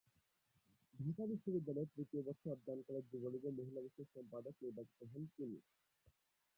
ঢাকা বিশ্ববিদ্যালয়ে তৃতীয় বর্ষে অধ্যয়নকালে যুবলীগের মহিলা বিষয়ক সম্পাদক নির্বাচিত হন তিনি।